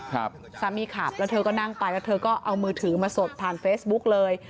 สามีขับแล้วเธอก็นั่งไปแล้วเธอก็เอามือถือมาสดผ่านเฟซบุ๊กเลย